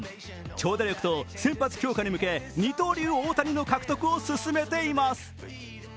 長打力と先発強化に向け二刀流大谷の獲得を勧めています。